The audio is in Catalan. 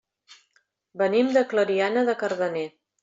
Venim de Clariana de Cardener.